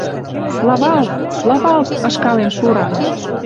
Славалт, славалт, ышкалем шуран!